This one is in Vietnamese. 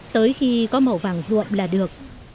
tới khi có màu vàng ruộm là được